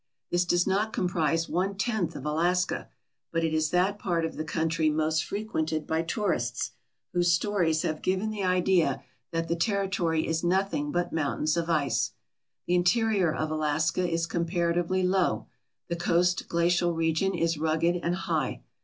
This does not comprise one tenth of Alaska, but it is that part of the country most frequen ted by tourists, whose stories have given the idea that the territory is nothing but mountains of ice. The interior of Alaska is comparatively low; the coast glacial region is rugged and high.